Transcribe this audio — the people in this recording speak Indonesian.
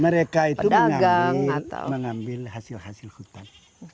mereka itu mengambil hasil hasil hutan